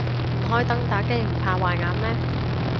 唔開燈打機唔怕壞眼咩